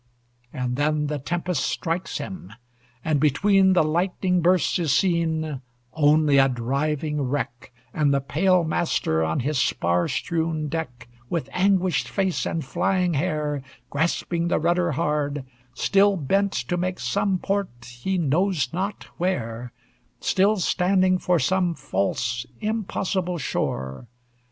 And then the tempest strikes him; and between The lightning bursts is seen Only a driving wreck, And the pale master on his spar strewn deck With anguished face and flying hair Grasping the rudder hard, Still bent to make some port he knows not where, Still standing for some false, impossible shore.